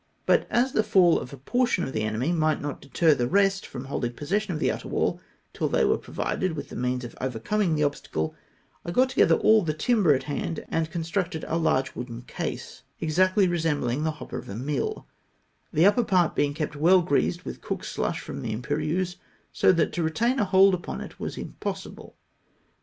But as the fall of a portion of the enemy might not deter the rest fi'om holding possession of the outer wall till they were provided with the means of overcoming the obstacle, I got together all the timber at hand, and con structed a huge wooden case, exactly resembhng the hopper of a mill — the upper part being kept weU greased with cooks' slush from the Im phieuse^ so that to retain a hold upon it was impossible.